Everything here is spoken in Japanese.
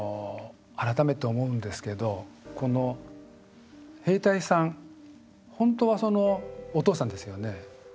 改めて思うんですけど兵隊さん本当はお父さんですよね。